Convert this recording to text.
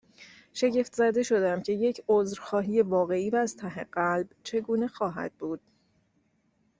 شگفت زده شدم، که یک عذرخواهی واقعی و از ته قلب چگونه خواهد بود؟